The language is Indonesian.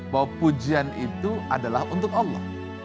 bahwa pujian itu adalah untuk allah